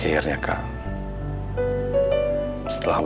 setelah bertahun tahun aku akan bertemu dengan anakku